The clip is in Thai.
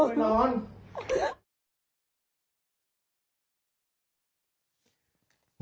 มันโดนลูก